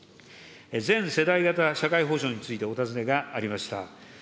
全世代型社会保障についてお尋ねがありました。